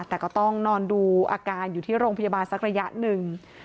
แต่ก็ต้องนอนดูอาการอยู่ที่โรงพยาบาลสักระยะหนึ่ง